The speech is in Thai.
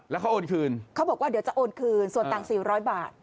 แล้วก็โอนคืนโอนคืนส่วนตังค์๔๐๐บาท